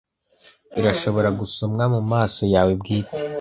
irashobora gusomwa mumaso yawe bwite